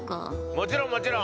もちろんもちろん。